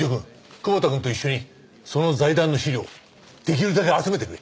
久保田君と一緒にその財団の資料出来るだけ集めてくれ。